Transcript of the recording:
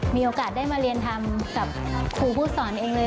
มีโอกาสได้มาเรียนทำกับครูผู้สอนเองเลย